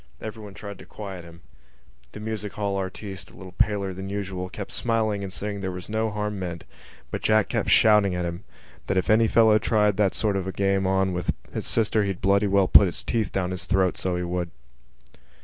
Everyone tried to quiet him. The music hall artiste, a little paler than usual, kept smiling and saying that there was no harm meant: but Jack kept shouting at him that if any fellow tried that sort of a game on with his sister he'd bloody well put his teeth down his throat, so he would.